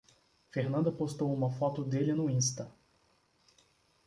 Fernanda postou uma foto dele no Insta